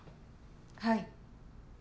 はい。